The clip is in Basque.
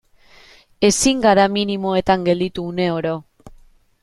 Ezin gara minimoetan gelditu une oro.